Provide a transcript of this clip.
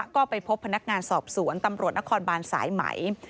ก็ไปพบพนักงานสอบสวนตำรวจนครบานสายไหม